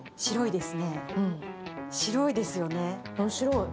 白いですね。